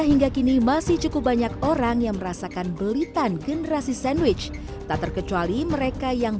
hingga kini masih cukup banyak orang yang merasakan belitan generasi sandwich tak terkecuali mereka yang